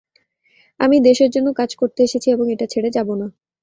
আমি দেশের জন্য কাজ করতে এসেছি এবং এটা ছেড়ে যাব না।